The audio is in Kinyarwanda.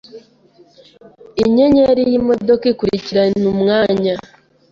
inyenyeri yimodoka ikurikirana umwanya